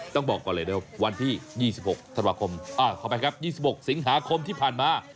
ต้องบอกก่อนเลยนะครับวันที่๒๖สิงหาคมที่ผ่านมา